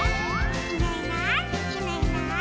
「いないいないいないいない」